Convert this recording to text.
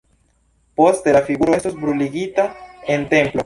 Poste la figuro estos bruligita en templo.